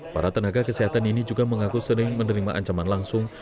para tenaga kesehatan ini juga mengaku sering menerima ancaman langsung